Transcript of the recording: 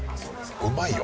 うまいよ。